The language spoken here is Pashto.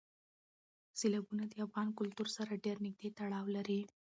سیلابونه د افغان کلتور سره ډېر نږدې تړاو لري.